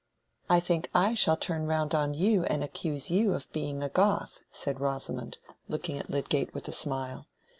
"I think I shall turn round on you and accuse you of being a Goth," said Rosamond, looking at Lydgate with a smile.